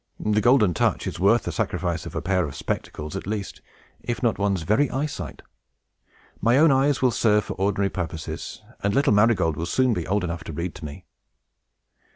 The Golden Touch is worth the sacrifice of a pair of spectacles, at least, if not of one's very eyesight. My own eyes will serve for ordinary purposes, and little Marygold will soon be old enough to read to me."